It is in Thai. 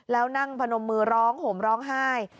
แล้วนั่งพนมมือร้องห่มร้องไห้